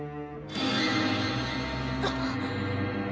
あっ！